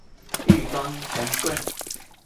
異端神棍